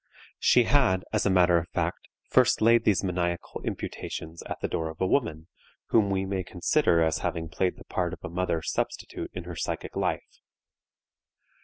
She had, as a matter of fact, first laid these maniacal imputations at the door of a woman, whom we may consider as having played the part of a mother substitute in her psychic life.